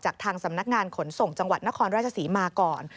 ทางสำนักงานขนส่งจังหวัดนครราชศรีมาก่อน